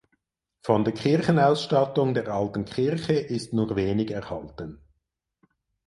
Von der Kirchenausstattung der alten Kirche ist nur wenig erhalten.